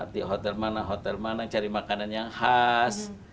di hotel mana hotel mana yang cari makanan yang khas